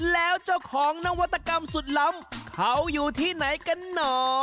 แล้วเจ้าของนวัตกรรมสุดล้ำเขาอยู่ที่ไหนกันหนอ